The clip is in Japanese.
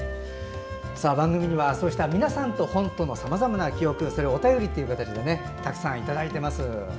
番組にはそうした皆さんと本とのさまざまな記憶をそれをお便りという形でたくさんいただいています。